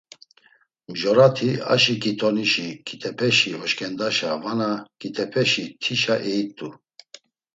Mjorati aşiǩitoni şi ǩitepeşi oşǩendaşa vana ǩitepeşi tişa eyit̆u.